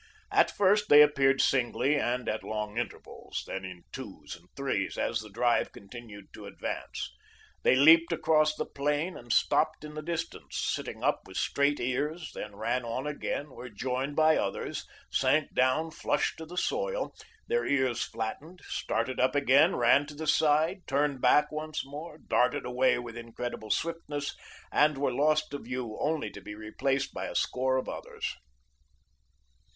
At first, they appeared singly and at long intervals; then in twos and threes, as the drive continued to advance. They leaped across the plain, and stopped in the distance, sitting up with straight ears, then ran on again, were joined by others; sank down flush to the soil their ears flattened; started up again, ran to the side, turned back once more, darted away with incredible swiftness, and were lost to view only to be replaced by a score of others.